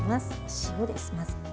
塩です、まず。